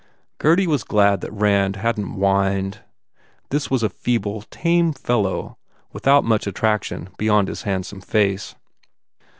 Gurdy was glad that Rand hadn t whined. This was a feeble, tame fellow without much attraction beyond his handsome face.